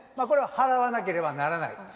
これは払わなければならない。